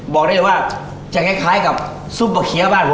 บอกได้เลยว่าจะคล้ายกับซุปปลาเคี้ยบ้าง